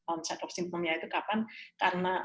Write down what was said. onset of symptomnya itu kapan karena